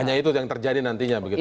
hanya itu yang terjadi nantinya begitu